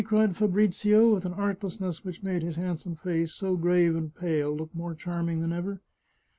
" cried Fabrizio, with an artlessness which made his handsome face, so grave and pale, look more charming than ever.